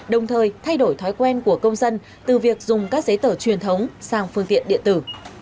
đồng thời thay đổi thói quen của công dân từ việc dùng các giấy tờ truyền thống sang phương tiện điện tử